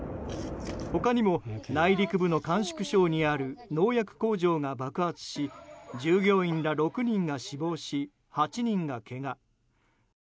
他にも内陸部の甘粛省にある農薬工場が爆発し従業員ら６人が死亡し８人がけが。